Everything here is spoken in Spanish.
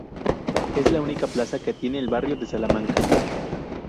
Es la única plaza que tiene el barrio de Salamanca.